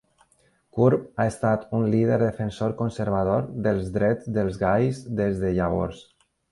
Curb ha estat un líder defensor conservador dels drets dels gais des de llavors.